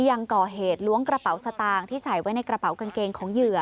ยังก่อเหตุล้วงกระเป๋าสตางค์ที่ใส่ไว้ในกระเป๋ากางเกงของเหยื่อ